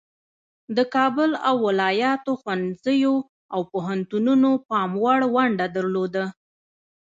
د کابل او ولایاتو ښوونځیو او پوهنتونونو پام وړ ونډه درلوده.